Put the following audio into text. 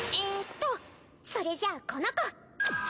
えっとそれじゃあこの子！